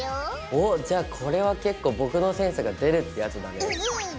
お⁉じゃあこれは結構僕のセンスが出るってやつだね。